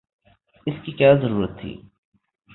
اس کی کیا ضرورت تھی؟